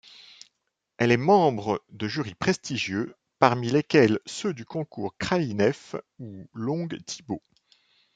Elle est membre de jurys prestigieux, parmi lesquels ceux des concours Kraïnev ou Long-Thibaud.